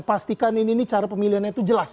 pastikan ini cara pemilihannya itu jelas